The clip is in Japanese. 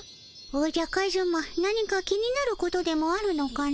おじゃカズマ何か気になることでもあるのかの？